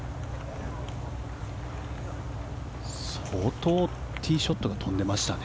相当ティーショットが飛んでましたね。